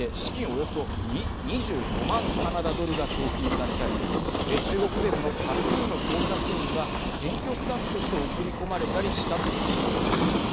およそ２５万カナダドルが送金されたり中国政府の多数の工作員が選挙スタッフとして送り込まれたりしたとしているんです。